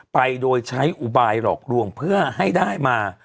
ไปโดยใช้อุบายหลอกลวงเพื่อให้ได้มา